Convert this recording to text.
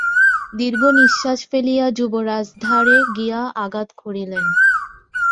দীর্ঘ নিশ্বাস ফেলিয়া যুবরাজ দ্বারে গিয়া আঘাত করিলেন।